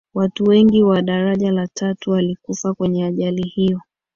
watu wengi wa daraja la tatu walikufa kwenye ajali hiyo